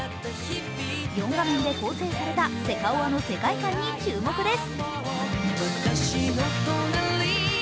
４画面で構成されたセカオワの世界観に注目です。